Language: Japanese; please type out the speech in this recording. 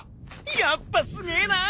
やっぱすげえな。